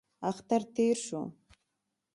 اختر تېر شو.